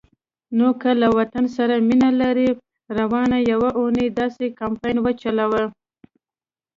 نو که له وطن سره مینه لرئ، روانه یوه اونۍ داسی کمپاین وچلوئ